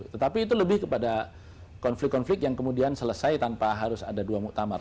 tetapi itu lebih kepada konflik konflik yang kemudian selesai tanpa harus ada dua muktamar